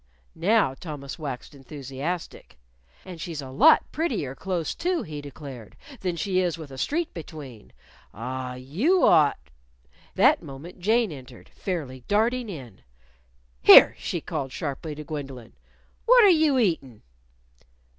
Now, Thomas waxed enthusiastic. "And she's a lot prettier close to," he declared, "than she is with a street between. Ah, you ought " That moment, Jane entered, fairly darting in. "Here!" she called sharply to Gwendolyn. "What're you eatin'?"